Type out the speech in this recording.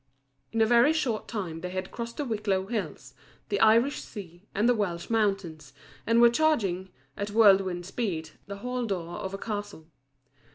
In a very short time they had crossed the Wicklow hills, the Irish Sea, and the Welsh mountains, and were charging, at whirlwind speed, the hall door of a castle.